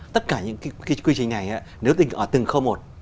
tất cả những quy trình này nếu tình ở từng khâu một